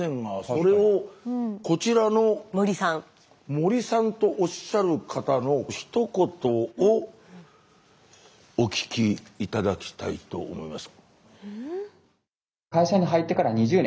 森さんとおっしゃる方のひと言をお聞き頂きたいと思います。